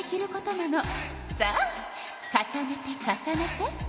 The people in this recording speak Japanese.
さあ重ねて重ねて。